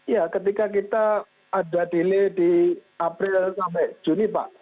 ya ketika kita ada delay di april sampai juni pak